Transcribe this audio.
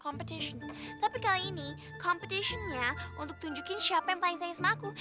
competition tapi kali ini competition nya untuk tunjukin siapa yang paling sayang sama aku